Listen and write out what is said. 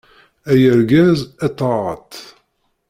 Ay argaz, a taɣaṭ!